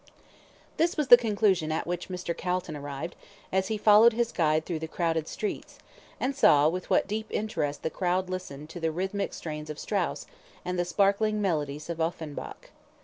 This was the conclusion at which Mr. Calton arrived as he followed his guide through the crowded streets, and saw with what deep interest the crowd listened to the rhythmic strains of Strauss and the sparkling melodies of Offenbach.